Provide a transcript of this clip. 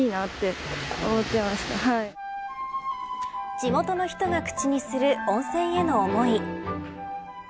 地元の人が口にする温泉への思い。